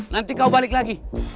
nanti kau balik lagi